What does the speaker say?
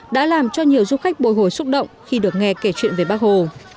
đã làm cho nhiều du khách bồi hồi xúc động khi được nghe kể chuyện về bác hồ